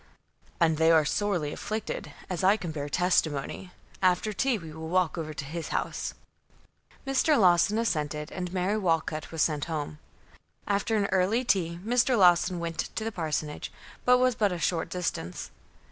"And they are sorely afflicted, as I can bear testimony. After tea we will walk over to his house." Mr. Lawson assented, and Mary Walcut was sent home. After an early tea, Mr. Lawson went to the parsonage, which was but a short distance.